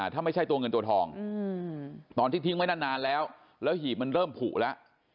ถ้าไม่ใช่ตัวเงินตัวทองตอนที่ทิ้งไว้นานแล้วแล้วหีบมันเริ่มผูแล้ว